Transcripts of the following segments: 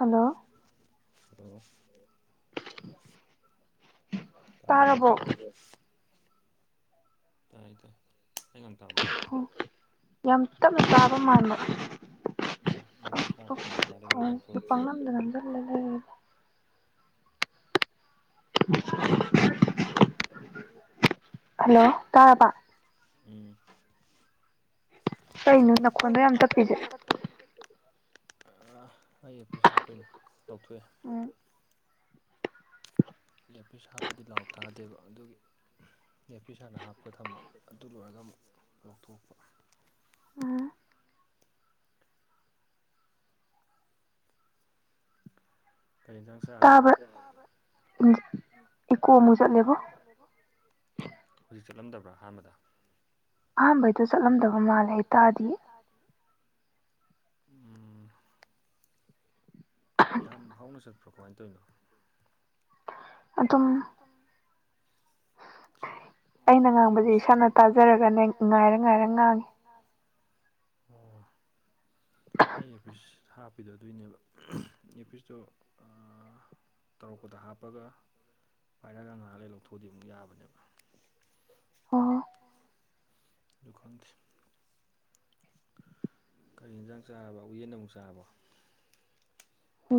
hello [unintelligible] ꯇꯥꯔꯕꯣ ꯇꯥꯏ ꯇꯥꯏ ꯑꯩ ꯉꯥꯡ ꯇꯥꯕ꯭ꯔꯣ ꯌꯥꯝ ꯇꯞꯅ ꯇꯥꯕ ꯃꯥꯟꯕ [unintelligible] ꯍꯜꯂꯣ ꯇꯥꯔꯕ ꯎꯨꯝ ꯀꯩꯅꯣ ꯅꯥ ꯀꯩꯩꯅꯣ ꯅꯈꯣꯟꯗꯣ ꯌꯥꯝꯅ ꯇꯞꯄꯤꯖꯦ ꯑꯥ ꯑꯩ ꯑꯌ꯭ꯔꯄꯤꯁ ꯍꯥꯞꯄꯩꯅꯤ ꯂꯧꯊꯣꯛꯑꯦ ꯑꯌ꯭ꯔꯄꯤꯁ ꯍꯥꯞꯄꯗꯤ ꯂꯥꯎꯠ ꯇꯥꯗꯦꯕ ꯑꯗꯨꯒꯤ ꯏꯌ꯭ꯔꯄꯤꯁ ꯍꯥꯟꯅ ꯍꯥꯞꯄ ꯊꯝꯕ ꯑꯗꯨ ꯂꯣꯏꯔꯒ ꯑꯃꯨꯛ ꯂꯧꯊꯣꯛꯄ ꯀꯔꯤ ꯏꯟꯖꯥꯡ ꯆꯥꯔꯕ ꯇꯕ꯭ꯔꯥ ꯏ ꯏꯀꯣ ꯑꯃꯨꯛ ꯆꯠꯂꯦꯕꯣ ꯍꯧꯖꯤꯛ ꯆꯠꯂꯝꯗꯕ꯭ꯔꯥ ꯑꯍꯥꯟꯕꯗ ꯑꯍꯥꯟꯕꯩꯗꯣ ꯆꯠꯂꯝꯗꯕ ꯃꯥꯜꯂꯦ ꯑꯩ ꯇꯗꯤꯌꯦ ꯎꯨꯝ ꯌꯥꯝ ꯍꯧꯅ ꯆꯠꯄ꯭ꯔꯣ ꯀꯃꯥꯏꯅ ꯇꯧꯔꯤꯅꯣ ꯑꯗꯨꯝ ꯇꯨꯝ [unintelligible] ꯇꯥꯖꯔꯒꯅꯦ ꯉꯥꯏꯔ ꯉꯥꯏꯔ ꯉꯥꯡꯉꯦ ꯑꯩ ꯑꯦꯌ꯭ꯔꯄꯤꯁ ꯍꯥꯞꯄꯤꯗꯣ ꯑꯗꯨꯏꯅꯦꯕ ꯎꯨꯍ ꯑꯌ꯭ꯔꯄꯤꯁꯇꯣ ꯑꯥ ꯇꯧꯔꯛꯄꯗ ꯍꯥꯞꯄꯒ ꯄꯥꯏꯔꯛꯑꯒ ꯉꯍꯥꯛꯂꯩ ꯂꯧꯊꯣꯛꯑꯗꯤ ꯑꯃꯨꯛ ꯌꯥꯕꯅꯦꯕ ꯑꯣ ꯗꯨ ꯈꯪꯗꯦ ꯀꯔꯤ ꯏꯟꯖꯥꯡ ꯆꯥꯔꯕ ꯎꯌꯦꯟ ꯑꯃꯨꯛ ꯆꯥꯔꯕꯣ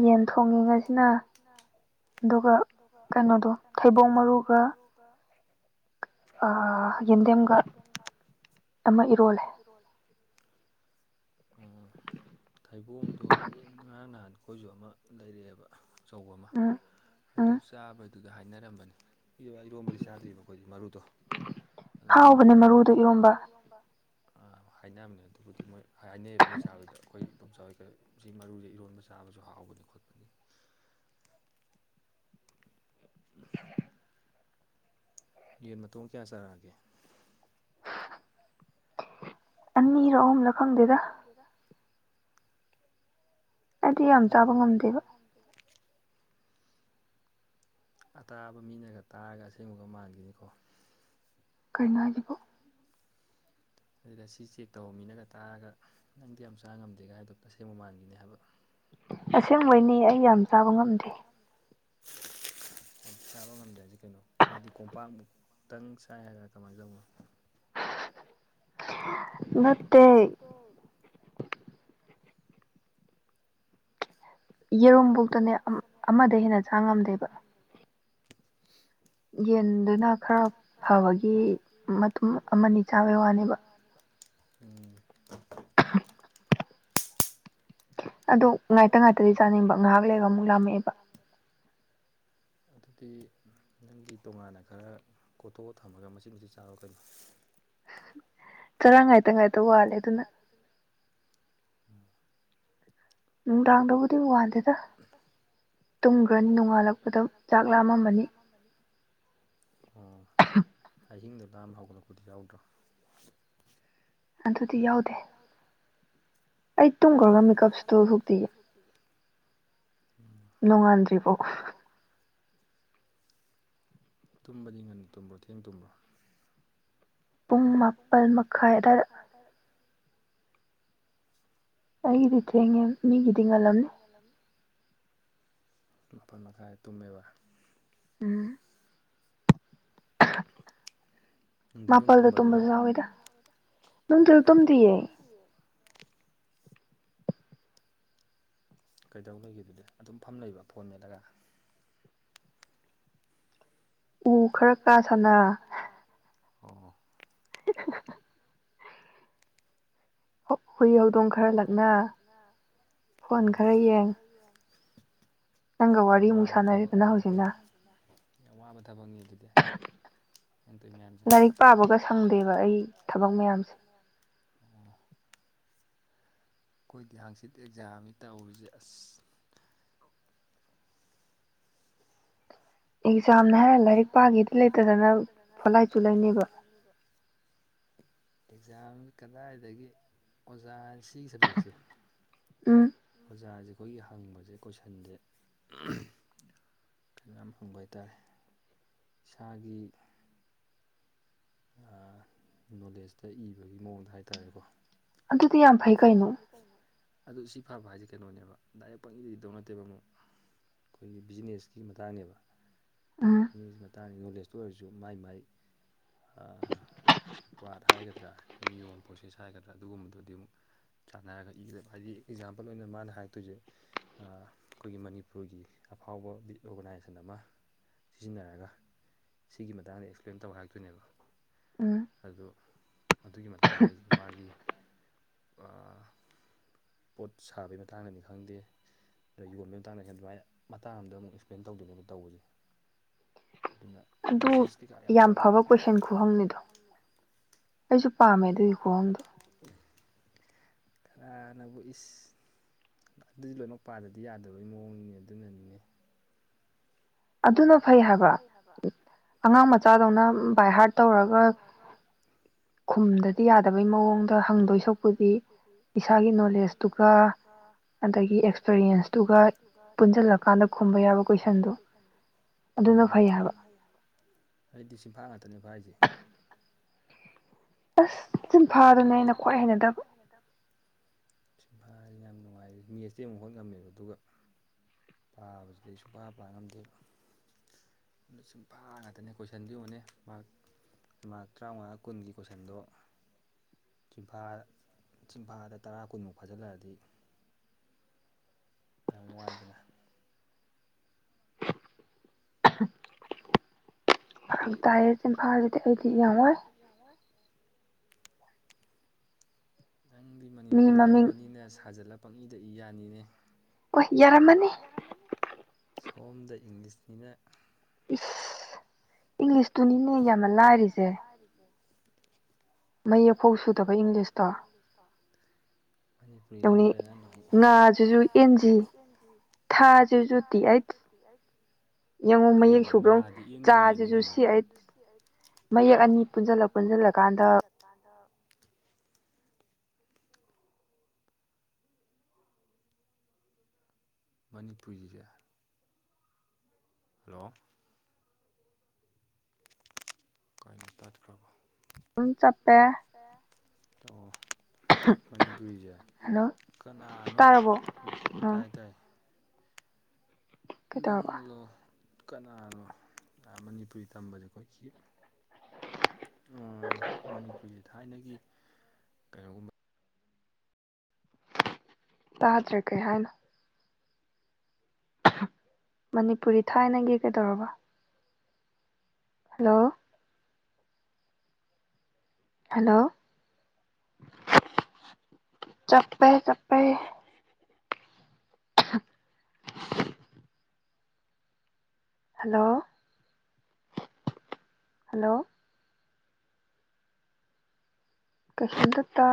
ꯌꯦꯟ ꯊꯣꯡꯉꯦ ꯉꯁꯤꯅ ꯑꯗꯨꯒ ꯀꯩꯅꯣꯗꯣ ꯊꯩꯕꯣꯡ ꯃꯔꯨꯒ ꯑꯥ ꯌꯦꯟꯗꯦꯝꯒ ꯑꯃ ꯏꯔꯣꯜꯂꯦ ꯏꯔꯣꯜꯂꯦ ꯎꯝ ꯊꯩꯕꯣꯡꯗꯣ ꯉꯔꯥꯡ ꯅꯍꯥꯟ ꯑꯈꯣꯏꯁꯨ ꯑꯃ ꯂꯩꯔꯛꯑꯦꯕ ꯑꯆꯧꯕ ꯑꯃ ꯑꯗꯨ ꯆꯥꯕꯗꯨꯗ ꯍꯥꯏꯅꯔꯝꯕꯅꯦ ꯏꯔꯣꯝꯕꯗꯤ ꯆꯥꯗ꯭ꯔꯤꯕ ꯑꯈꯣꯏꯗꯤ ꯃꯔꯨꯗꯣ ꯑꯗꯨ ꯃꯔꯨꯖꯨ ꯢꯔꯣꯝꯕ ꯍꯥꯎꯕꯅꯦ ꯃꯔꯨꯗꯨ ꯏꯔꯣꯝꯕ ꯑꯥ ꯍꯥꯏꯅꯝꯅꯦ ꯑꯗꯨꯕꯨꯗꯤ ꯃꯣꯏ ꯍꯥꯏꯅꯩꯌꯦꯕ ꯑꯈꯣꯏ ꯆꯥꯕꯗ ꯑꯈꯣꯏ ꯏꯗꯣꯝꯆꯥ ꯍꯣꯢ ꯀꯩ ꯍꯣꯢ ꯁꯤ ꯃꯔꯨꯁꯦ ꯏꯔꯣꯟꯕ ꯆꯥꯕꯖꯨ ꯍꯥꯎꯕꯅꯤ ꯈꯣꯠꯄꯅꯤ [inaudible] ꯌꯦꯟ ꯃꯇꯣꯡ ꯀꯌꯥ ꯆꯥꯔꯛꯑꯒꯦ ꯑꯅꯤꯔꯥ ꯑꯍꯨꯝꯔꯥ ꯈꯪꯗꯦꯗ ꯈꯪꯗꯦꯗ ꯀꯩꯅꯣ ꯍꯥꯏꯖꯤꯕꯨ ꯑꯣꯛꯇꯤ ꯌꯥꯝ ꯆꯥꯕ ꯉꯝꯗꯦꯕ ꯑꯇꯥꯕ ꯃꯤꯅꯒ ꯇꯥꯔꯒ ꯑꯁꯦꯡꯕꯒ ꯃꯥꯟꯒꯤꯅꯤꯀꯣ ꯀꯩꯅꯣ ꯍꯥꯢꯖꯤꯕꯣ ꯅꯠꯇꯦꯗ ꯁꯤ ꯆꯦꯛ ꯇꯧꯕ ꯃꯤꯅꯒ ꯇꯥꯔꯒ ꯅꯪꯗꯤ ꯌꯥꯝ ꯆꯥ ꯉꯝꯗꯦꯒꯥꯏ ꯍꯥꯏꯗꯣ ꯑꯁꯦꯡꯕ ꯃꯥꯟꯒꯤꯅꯤ ꯍꯥꯏꯕ ꯑꯁꯦꯡꯕꯩꯅꯤ ꯑꯩ ꯌꯥꯝ ꯆꯥꯕ ꯉꯝꯗꯦ ꯌꯥꯝ ꯆꯥꯕ ꯉꯝꯗꯔꯦ ꯍꯥꯏꯖꯤ ꯀꯩꯅꯣ ꯍꯥꯏꯗꯤ ꯀꯣꯝꯄꯥꯛꯃꯨꯛ ꯇꯪ ꯆꯥꯢ ꯍꯥꯏꯔ ꯀꯃꯥꯏ ꯇꯧꯅꯣ ꯅꯠꯇꯦ ꯌꯦꯔꯨꯝꯕꯨꯛꯇꯅꯦ ꯑꯝ ꯑꯃꯗꯩ ꯍꯦꯟꯅ ꯆꯥ ꯉꯝꯗꯦꯕ ꯌꯦꯟꯗꯨꯅ ꯈꯔ ꯐꯕꯒꯤ ꯃꯇꯨꯝ ꯑꯃꯅꯤ ꯆꯥꯕꯩ ꯋꯥꯅꯦꯕ ꯋꯥꯅꯦꯕ ꯎꯝ ꯑꯗꯣ ꯉꯥꯏꯇ ꯉꯥꯏꯇꯗꯤ ꯆꯥꯅꯤꯡꯕ ꯉꯥꯏꯍꯥꯛ ꯂꯩꯔꯒ ꯑꯃꯨꯛ ꯂꯥꯝꯃꯛꯑꯦꯕ ꯑꯗꯨꯗꯤ ꯅꯪꯒꯤ ꯇꯣꯉꯥꯟꯅ ꯈꯔ ꯀꯣꯊꯣꯛ ꯑ ꯊꯝꯃꯒ ꯃꯆꯤꯠ-ꯃꯆꯤꯠ ꯆꯥꯔꯣ ꯀꯩꯅꯣ ꯆꯔꯥ ꯉꯥꯏꯇ ꯉꯥꯏꯇ ꯋꯥꯜꯂꯦ ꯑꯗꯨꯅ ꯅꯨꯡꯗꯥꯡꯗꯕꯨꯗꯤ ꯋꯥꯥꯟꯗꯦꯗ ꯇꯨꯝꯒ꯭ꯔꯅꯤ ꯅꯣꯡꯉꯥꯜꯂꯛꯄꯗ ꯆꯥꯛ ꯂꯥꯝꯃꯝꯃꯅꯤ ꯑꯣ ꯑꯍꯤꯡꯗ ꯂꯥꯝꯕ ꯍꯧꯒꯠꯂꯛꯄꯗꯤ ꯌꯥꯎꯗ꯭ꯔꯣ ꯑꯗꯨꯗꯤ ꯌꯥꯎꯗꯦ ꯑꯩ ꯇꯨꯝꯒ꯭ꯔꯒ ꯃꯤꯀꯞ ꯁꯨ ꯊꯣꯛ ꯊꯣꯛꯇꯤꯌꯦ ꯅꯣꯡꯉꯥꯟꯗ꯭ꯔꯤꯕꯣ ꯇꯨꯝꯕꯗꯤ ꯉꯟꯅ ꯇꯨꯝꯕ꯭ꯔꯣ ꯊꯦꯡꯅ ꯇꯨꯝꯕ꯭ꯔꯣ ꯄꯨꯡ ꯃꯥꯄꯟ ꯃꯈꯥꯏ ꯑꯗꯥꯏꯗ ꯑꯩꯒꯤꯗꯤ ꯊꯦꯡꯉꯦ ꯃꯤꯒꯤꯗꯤ ꯉꯟꯂꯝꯅꯤ ꯉꯜꯂꯝꯅꯤ ꯃꯥꯄꯟ ꯃꯈꯥꯏꯗ ꯇꯨꯝꯃꯦꯕ ꯎꯝ [inaudible] ꯅꯨꯡꯗꯤꯜꯁꯨ ꯑꯃꯨꯛ ꯇꯨꯝꯕ ꯑꯗꯨꯒ ꯅꯨꯡꯊꯤꯜ ꯇꯨꯝꯗꯤꯌꯦ ꯀꯩꯗꯧ ꯂꯩꯒꯦ ꯑꯗꯨꯗꯤ ꯑꯗꯨꯝ ꯐꯝ ꯂꯩꯕ ꯐꯣꯟ ꯃꯦꯠꯂꯒ ꯎ ꯈꯔ ꯀꯥ ꯁꯥꯟꯅ ꯁꯥꯟꯅ ꯑꯣ [unintelligible] ꯍꯨꯏ ꯍꯧꯗꯣꯡ ꯈꯔ ꯂꯛꯅ [unintelligible] ꯌꯥꯝ ꯋꯥꯕ ꯊꯕꯛꯅꯤ ꯑꯗꯨꯗꯤ ꯌꯥꯝ ꯋꯥꯕ ꯊꯕꯛꯅꯤ ꯑꯗꯨꯗꯤ ꯅꯪ ꯇꯧꯔꯤ ꯃꯌꯥꯝꯁꯦ ꯂꯥꯏꯔꯤꯛ ꯄꯥꯕꯒ ꯁꯪꯗꯦꯕ ꯑꯩ ꯊꯕꯛ ꯃꯌꯥꯝꯁꯦ ꯑꯩꯈꯣꯏꯗꯤ ꯍꯪꯆꯤꯠ ꯑꯦꯛꯖꯥꯝꯅꯤ ꯇꯧꯔꯤꯁꯦ ꯑꯁ ꯑꯦꯛꯖꯥꯝꯅ ꯍꯥꯏꯔ ꯂꯥꯏꯔꯤꯛ ꯄꯥꯒꯦꯗꯤ ꯂꯩꯇꯗꯅ ꯐꯣꯠꯂꯥꯏ ꯆꯨ ꯂꯩꯅꯦꯕ ꯂꯩꯅꯦꯕ ꯑꯦꯛꯖꯥꯝ ꯀꯗꯥꯏꯗꯒꯤ ꯑꯣꯖꯥ ꯁꯤꯒꯤ ꯁꯥꯞꯖꯦꯛꯁꯦ ꯑꯣꯖꯥꯁꯦ ꯑꯩꯈꯣꯏꯒꯤ ꯍꯪꯕꯁꯦ ꯀꯣꯏꯁꯟꯁꯦ [unintelligible] ꯌꯥꯝ ꯍꯪꯕ ꯍꯥꯏꯇꯥꯔꯦ ꯏꯁꯥꯒꯤ ꯅꯣꯂꯦꯖꯇ ꯏꯕꯒꯤ ꯃꯑꯣꯡꯗ ꯍꯥꯏꯇꯥꯔꯦꯀꯣ ꯑꯗꯨꯗꯤ ꯌꯥꯝ ꯐꯩ ꯀꯩꯅꯣ ꯀꯩꯅꯣ ꯑꯗꯨ ꯁꯤ ꯐꯕ ꯍꯥꯏꯁꯦ ꯀꯩꯅꯣꯅꯦꯕ ꯗꯥꯏꯔꯦꯛ ꯄꯪꯏ ꯏꯗꯧ ꯅꯠꯇꯦꯕ ꯑꯃꯨꯛ ꯑꯩꯈꯣꯏꯒꯤ ꯕꯤꯖꯤꯅꯦꯁꯀꯤ ꯃꯇꯥꯡꯅꯦꯕ ꯃꯇꯥꯡꯗ ꯅꯣꯂꯦꯖꯇꯨ ꯑꯣꯏꯔꯁꯨ ꯃꯥꯏ ꯃꯥꯏ [unintelligible] ꯍꯥꯏꯒꯗ꯭ꯔꯥ ꯅꯤꯌꯣꯝ ꯄ꯭ꯔꯣꯁꯦꯁ ꯍꯥꯏꯒꯗ꯭ꯔꯥ ꯑꯗꯨꯒꯨꯝꯕꯗꯨꯗꯤ ꯑꯃꯨꯛ ꯁꯥꯟꯅꯔꯒ ꯏꯕ ꯍꯥꯏꯗꯤ ꯑꯦꯛꯖꯥꯝꯄꯜ ꯑꯣꯏꯅ ꯃꯥꯅ ꯍꯥꯏꯔꯛꯇꯣꯏꯁꯦ ꯑꯥ ꯑꯩꯈꯣꯏꯒꯤ ꯃꯅꯤꯄꯨꯔꯒꯤ ꯑꯐꯥꯎꯕ ꯑꯣꯔꯒꯅꯥꯏꯖꯦꯁꯟ ꯑꯃ ꯁꯤꯖꯤꯟꯅꯔꯒ ꯁꯤꯒꯤ ꯃꯇꯥꯡꯗ ꯑꯦꯛꯁꯄ꯭ꯂꯦꯟ ꯇꯧ ꯍꯥꯏꯔꯛꯇꯣꯏꯅꯦꯕ ꯎꯝ ꯑꯗꯣ ꯑꯗꯨꯒꯤ ꯃꯇꯥꯡ ꯍꯥꯏꯁꯦ ꯃꯥꯒꯤ ꯑꯥ ꯄꯣꯠ ꯁꯥꯕꯩ ꯃꯇꯥꯡꯗꯅꯤ ꯈꯪꯗꯦ ꯑꯗꯣ ꯌꯣꯟꯕꯩ ꯃꯇꯥꯡꯗ ꯑꯗꯨꯃꯥꯏ ꯃꯇꯥꯡ ꯑꯝꯗ ꯑꯃꯨꯛ ꯑꯦꯛꯁꯄ꯭ꯂꯦꯟ ꯇꯧꯗꯣꯏꯅꯦꯕ ꯇꯧꯕꯁꯦ ꯑꯗꯨꯅ ꯄ꯭ꯔꯣꯁꯦꯁ ꯀꯩꯀꯥ ꯌꯥꯝ ꯆꯪꯕ ꯈꯨꯍꯪꯅꯤꯗꯣ ꯑꯩꯁꯨ ꯄꯥꯝꯃꯦ ꯑꯗꯨꯒꯤ ꯈꯨꯍꯪꯗꯣ ꯀꯅꯥꯅꯕꯨ ꯏꯁ ꯑꯗꯨꯗꯤ ꯂꯣꯏꯅꯃꯛ ꯄꯥꯗꯗꯤ ꯌꯥꯗꯕꯒꯤ ꯃꯑꯣꯡꯅꯤꯅꯦ ꯑꯗꯨꯅꯅꯤꯅꯦ ꯑꯗꯨꯅ ꯐꯩ ꯍꯥꯏꯕ ꯑꯉꯥꯡ ꯃꯆꯥꯗꯧꯅ ꯕꯥꯏ ꯍꯥꯔꯠ ꯇꯧꯔꯒ [unintelligible] ꯈꯨꯝꯗꯗꯤ ꯌꯥꯗꯕꯩ ꯃꯑꯣꯡꯗ ꯍꯪꯗꯣꯏ ꯁꯔꯨꯛꯄꯨꯗꯤ ꯏꯁꯥꯒꯤ ꯅꯣꯂꯦꯖꯇꯨꯒ ꯑꯗꯒꯤ ꯑꯦꯛꯁꯄꯔꯤꯌꯦꯟꯁꯇꯨꯒ ꯄꯨꯟꯁꯤꯜꯂꯀꯥꯟꯗ ꯈꯨꯝꯕ ꯌꯥꯕ ꯀꯣꯏꯁꯟꯗꯣ ꯎꯝ ꯑꯩꯗꯤ ꯁꯤꯟꯐꯥ ꯉꯥꯛꯇꯅꯦ ꯐꯥꯏꯁꯦ ꯑꯁ ꯆꯤꯟꯐꯥꯗꯨꯅꯦ ꯑꯩꯅ ꯈ꯭ꯋꯥꯏ ꯍꯩꯅꯗꯕ ꯍꯩꯅꯗꯕ ꯆꯤꯟꯐꯥ ꯁꯤꯅꯦ ꯌꯥꯝ ꯅꯨꯡꯉꯥꯏ ꯃꯦꯠꯁꯇꯤ ꯑꯃꯨꯛ ꯍꯣꯠ ꯉꯝꯃꯦꯕ ꯑꯗꯨꯒ ꯄꯥꯕꯁꯤꯗꯤ ꯑꯩ ꯁꯨꯡꯄꯥ ꯄꯥ ꯉꯝꯗꯦꯕ ꯆꯤꯟꯐꯥ ꯉꯥꯛꯇꯅꯦ ꯀꯣꯏꯁꯟꯗꯨ ꯌꯦꯡꯎꯅꯦ ꯃꯥꯛ ꯃꯥ꯭ꯔꯛ ꯇꯔꯥꯃꯉꯥ ꯀꯨꯟꯒꯤ ꯀꯣꯏꯁꯟꯗꯣ ꯆꯤꯡꯐꯥ ꯆꯤꯡꯐꯥꯗ ꯇꯔꯥ ꯀꯨꯟꯃꯨꯛ ꯐꯥꯖꯤꯜꯂꯛꯑꯗꯤ ꯌꯥꯝ ꯋꯥꯏꯗꯅ [inaudible] ꯐꯔꯛ ꯇꯥꯏꯌꯦ ꯆꯤꯟꯐꯥꯥꯁꯤꯗꯤ ꯑꯩꯗꯤ ꯌꯥꯝ ꯋꯥꯏ ꯌꯥꯝ ꯋꯥꯏ ꯅꯪꯗꯤ ꯃꯅꯤꯄꯨꯔꯤ ꯂꯧꯕꯅꯤꯅ ꯁꯥꯖꯜꯂ ꯄꯪꯏꯗ ꯏ ꯌꯥꯅꯤꯅꯦ ꯍꯣꯏ ꯌꯥꯔꯝꯃꯅꯤ ꯁꯣꯝꯗ ꯏꯪꯂꯤꯁꯅꯤꯅ ꯏꯁ ꯏꯪꯂꯤꯁ ꯏꯪꯂꯤꯁ ꯇꯨꯅꯤꯅꯦ ꯌꯥꯝꯅ ꯂꯥꯏꯔꯤꯁꯦ ꯃꯌꯦꯛꯐꯥꯎ ꯁꯨꯗꯕ ꯏꯪꯂꯤꯁꯇꯣ ꯃꯅꯤꯄꯨꯔꯤ ꯂꯧꯕꯩꯔꯥ ꯅꯪ [unintelligible] ꯍꯥꯏꯗꯣ [unintelligible] ꯊꯥꯥꯁꯤꯖꯨ ꯇꯤ ꯑꯩꯠ ꯇꯤ ꯑꯩꯠ ꯌꯦꯡꯉꯣ ꯃꯌꯦꯛ ꯁꯨꯕ꯭ꯔꯣ ꯌꯣ ꯆꯥꯁꯤꯁꯨ ꯁꯤꯁꯨ ꯁꯤ ꯑꯩꯆ ꯃꯌꯦꯛ ꯑꯅꯤ ꯄꯨꯟꯁꯤꯜꯂ ꯄꯨꯟꯁꯤꯜꯂ ꯀꯥꯟꯗ [unintelligible] ꯃꯅꯤꯄꯨꯔꯤꯁꯦ ꯍꯜꯂꯣ [inaudible] ꯀꯩꯅꯣ ꯇꯠꯈ꯭ꯔꯕꯣ ꯇꯞꯄꯦ ꯑꯣ ꯃꯅꯤꯄꯨꯔꯤꯁꯦ ꯀꯅꯥꯅꯣ ꯇꯥꯔꯕꯣ ꯇꯥꯏ ꯇꯥꯏ ꯅꯪꯂꯣ ꯀꯅꯥꯅꯣ ꯃꯅꯤꯄꯨꯔꯤ ꯇꯝꯕꯁꯦ ꯑꯈꯣꯏꯀꯤ ꯑꯣ ꯃꯅꯤꯄꯨꯔꯤꯁꯦ ꯊꯥꯏꯅꯒꯤ ꯀꯩꯅꯣꯒꯨꯝꯕ ꯇꯥꯗ꯭ꯔꯦ ꯀꯩ ꯍꯥꯏꯅꯣ ꯃꯅꯤꯄꯨꯔꯤ ꯊꯥꯏꯅꯒꯤ ꯀꯩꯗꯧꯔꯕ ꯍꯜꯂꯣ ꯍꯜꯂꯣ ꯆꯞꯄꯦ ꯆꯞꯄꯦ [inaudible] ꯍꯜꯂꯣ ꯍꯜꯂꯣ ꯀꯩꯁꯨꯝꯇ ꯇꯥ